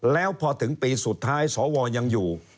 แล้วพอถึงปีสุดท้ายสวยังอยู่